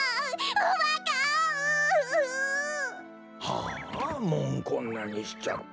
ああもうこんなにしちゃって。